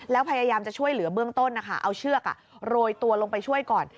แล้วพยายามจะช่วยเหลือเบื้องต้นนะคะเอาเชือกโรยตัวลงไปช่วยก่อน